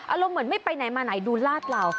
อารมณ์เหมือนไม่ไปไหนมาไหนดูลาดเรา